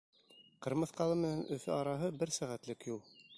Ҡырмыҫҡалы менән Өфө араһы — бер сәғәтлек юл.